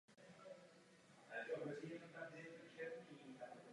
Po husitských válkách se majitelé klášterního majetku střídali.